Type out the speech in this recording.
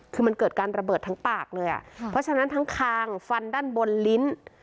คือมันเกิดการระเบิดทั้งปากเลยอ่ะเพราะฉะนั้นทั้งคางฟันด้านบนลิ้น